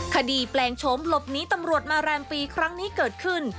แปลงโฉมหลบหนีตำรวจมาแรมปีครั้งนี้เกิดขึ้น